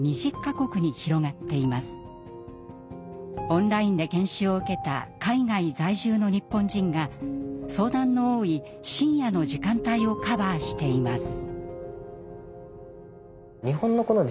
オンラインで研修を受けた海外在住の日本人が相談の多い深夜の時間帯をカバーしています。